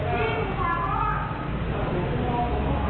พี่กินสาวพ่อ